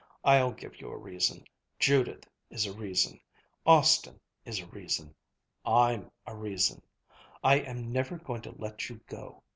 I'll give you a reason. Judith is a reason. Austin is a reason. I'm a reason. I am never going to let you go.